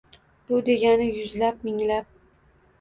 Bu degani — yuzlab, minglab